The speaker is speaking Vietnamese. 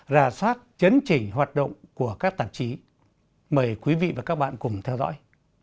rà soát chấn chỉnh hoạt động của các tạp chí mời quý vị và các bạn cùng theo dõi